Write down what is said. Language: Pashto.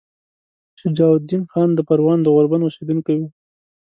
شجاع الدین خان د پروان د غوربند اوسیدونکی وو.